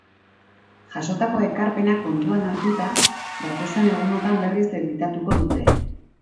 Jasotako ekarpenak kontuan hartuta, datozen egunotan berriz editatuko dute.